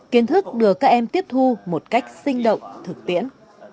kiến thức được các em tiếp thu một cách sinh động thực tiễn